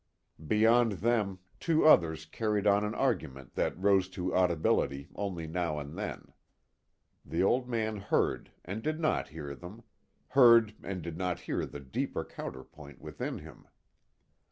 Beyond them two others carried on an argument that rose to audibility only now and then. The Old Man heard and did not hear them; heard and did not hear the deeper counterpoint within him.